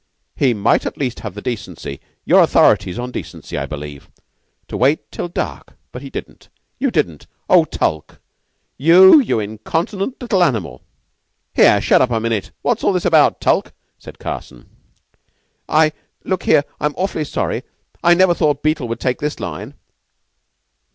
"He might at least have the decency you're authorities on decency, I believe to wait till dark. But he didn't. You didn't! Oh, Tulke. You you incontinent little animal!" "Here, shut up a minute. What's all this about, Tulke?" said Carson. "I look here. I'm awfully sorry. I never thought Beetle would take this line."